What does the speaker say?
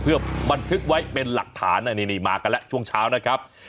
เพื่อบันทึกไว้เป็นหลักฐานอันนี้นี่มากันแล้วช่วงเช้านะครับ